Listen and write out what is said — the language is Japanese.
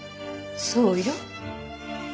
そうよ。